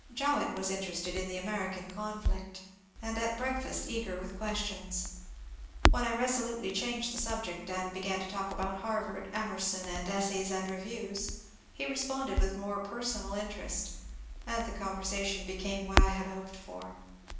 Jowett was interested in the American conflict, and at breakfast eager with questions. When I resolutely changed the subject and began to talk about Harvard, Emerson, and ^' Essays and Reviews," he responded with more personal interest, and the conversation became what I had hoped for.